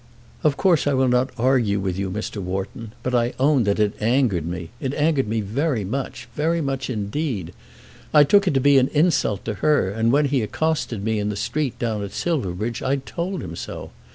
"Of course I will not argue with you, Mr. Wharton; but I own that it angered me. It angered me very much, very much indeed. I took it to be an insult to her, and when he accosted me in the street down at Silverbridge I told him so.